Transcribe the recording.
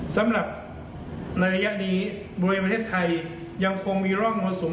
สำหรับในระยะนี้บริเวณประเทศไทยยังคงมีร่องมรสุม